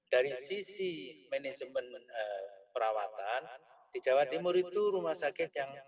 dari sisi manajemen perawatan di jawa timur itu rumah sakit yang